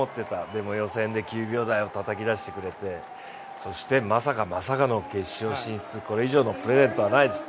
でも予選で９秒台をたたき出してくれてそしてまさかまさかの決勝進出、これ以上のプレゼントはないです。